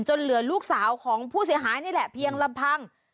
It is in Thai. เหลือลูกสาวของผู้เสียหายนี่แหละเพียงลำพัง